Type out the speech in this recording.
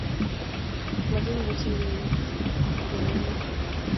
Ma kimuchi kiit ne ma mi.